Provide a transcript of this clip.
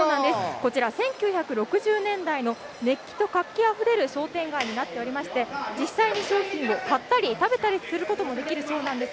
こちら１９６０年代の熱気と活気あふれる商店街になっておりまして、実際に商品を買ったり食べたりすることもできるそうなんです。